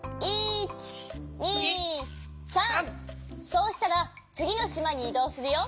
そうしたらつぎのしまにいどうするよ。